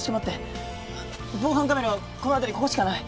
防犯カメラはこの辺りここしかない。